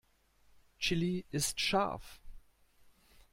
Chili ist scharf.